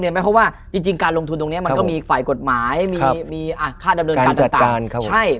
เพราะว่าจริงการลงทุนตรงนี้มันก็มีฝ่ายกฎหมายมีค่าดำเนินการต่าง